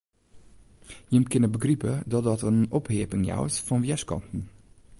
Jim kinne begripe dat dat in opheapping jout fan wjerskanten.